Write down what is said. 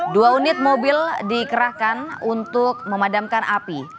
dua unit mobil dikerahkan untuk memadamkan api